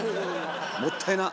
もったいな！